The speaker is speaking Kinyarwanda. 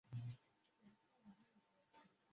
Ni inyangamugayo. Niyo mpamvu nkunda.